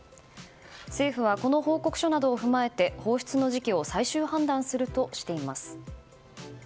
政府はこの報告書などを踏まえて放出の時期を最終判断するとしています。